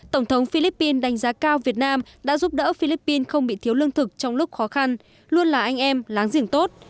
tổng thống philippines đánh giá cao việt nam đã giúp đỡ philippines không bị thiếu lương thực trong lúc khó khăn luôn là anh em láng giềng tốt